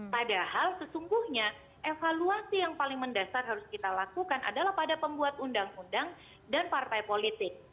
padahal sesungguhnya evaluasi yang paling mendasar harus kita lakukan adalah pada pembuat undang undang dan partai politik